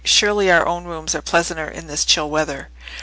Surely our own rooms are pleasanter in this chill weather."